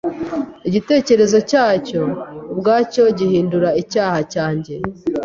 Igitekerezo cyacyo ubwacyo gihindura icyaha cyanjye